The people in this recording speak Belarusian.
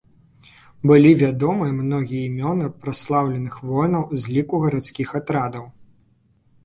Былі вядомыя многія імёны праслаўленых воінаў з ліку гарадскіх атрадаў.